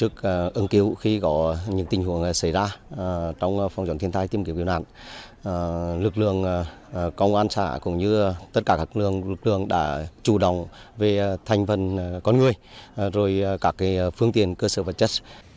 công an xã cũng như tất cả các lực lượng đã chủ động về thành phần con người rồi cả phương tiện cơ sở vật chất